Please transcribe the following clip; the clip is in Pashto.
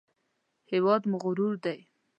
هېواد مو غرور دی